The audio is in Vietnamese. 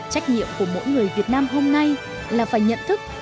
trách nhiệm của mỗi người việt nam hôm nay là phải nhận thức